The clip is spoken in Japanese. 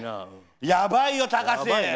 やばいよ隆。